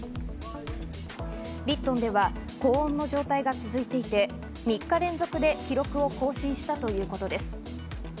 リットンでは高温の状態が続いていて、３日連続で記録を更新したということです。